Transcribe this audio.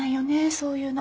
そういうの。